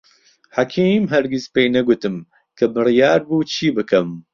حەکیم هەرگیز پێی نەگوتم کە بڕیار بوو چی بکەم.